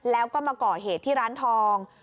แล้วก็มาก่อเหตุที่ร้านทอง